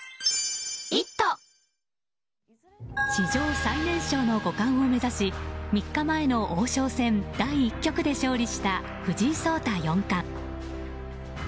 史上最年少の五冠を目指し３日前の王将戦第１局で勝利した藤井聡太四冠。